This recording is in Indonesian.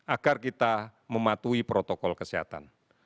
agar kita mematuhi protokol kesehatan